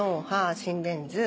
心電図